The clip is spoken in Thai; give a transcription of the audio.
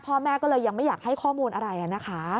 พ่อแม่ก็เลยยังไม่อยากให้ข้อมูลอะไรนะคะ